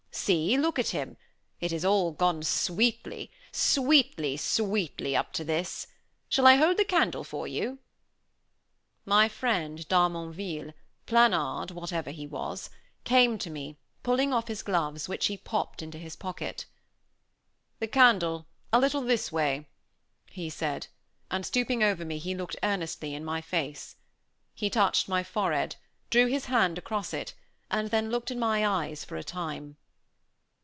"See, look at him. It has all gone sweetly, sweetly, sweetly up to this. Shall I hold the candle for you?" My friend d'Harmonville, Planard, whatever he was, came to me, pulling off his gloves, which he popped into his pocket. "The candle, a little this way," he said, and stooping over me he looked earnestly in my face. He touched my forehead, drew his hand across it, and then looked in my eyes for a time.